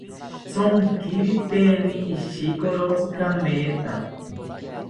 Tsonkiriteri ishikorotsi kametha